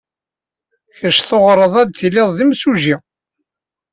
Kečč tuɣred ad tilid d imsujji.